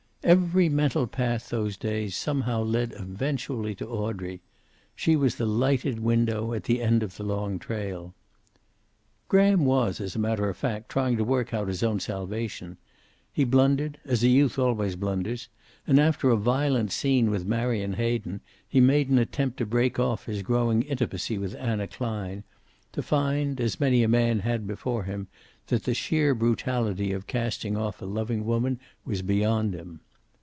Every mental path, those days, somehow led eventually to Audrey. She was the lighted window at the end of the long trail. Graham was, as a matter of fact, trying to work out his own salvation. He blundered, as youth always blunders, and after a violent scene with Marion Hayden he made an attempt to break off his growing intimacy with Anna Klein to find, as many a man had before him, that the sheer brutality of casting off a loving woman was beyond him.